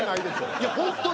いや本当に。